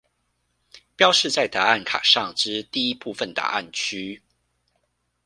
標示在答案卡上之第一部分答案區